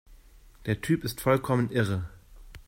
Der Typ ist vollkommen irre!